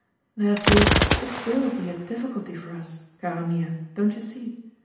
Therefore it WILL be a difficulty for us, cara mia, don't you see?